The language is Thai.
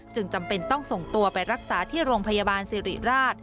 จำเป็นต้องส่งตัวไปรักษาที่โรงพยาบาลสิริราช